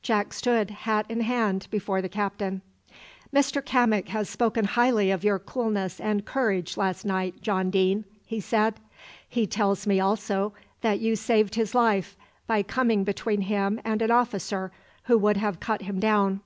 Jack stood hat in hand before the captain. "Mr Cammock has spoken highly of your coolness and courage last night, John Deane," he said. "He tells me also that you saved his life by coming between him and an officer who would have cut him down.